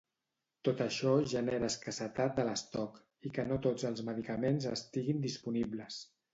Tot això genera escassetat de l'estoc i que no tots els medicaments estiguin disponibles.